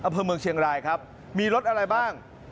อำเภอเมืองเชียงรายครับมีรถอะไรบ้าง